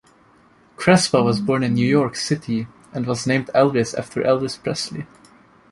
Crespo was born in New York City and was named "Elvis" after Elvis Presley.